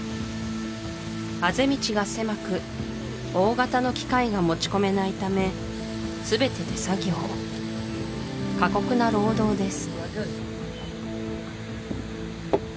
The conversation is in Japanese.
あぜ道が狭く大型の機械が持ち込めないためすべて手作業過酷な労働です